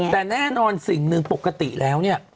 แต่แน่นอนสิ่งหนึ่งปกติแล้วเนี่ย